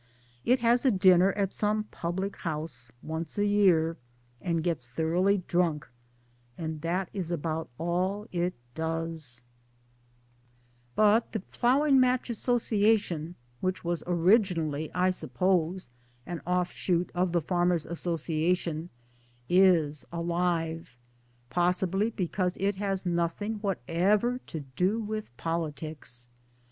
It has a dinner at some public house once a y^ar and gets thoroughly, drunkand that is about all it does" I 298 MY DAYS AND DREAMS But the Ploughing Match Association, which was originally I suppose an offshoot of the Farmers* Association, Is alive possibly, because it has nothing whatever to do with politics.